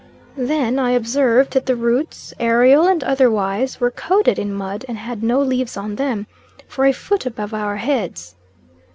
Then I observed that the roots, aerial and otherwise, were coated in mud, and had no leaves on them, for a foot above our heads.